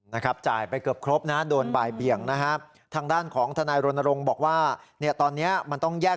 นะครับจ่ายไปเกือบครบนะโดนบ่ายเบียงนะครับ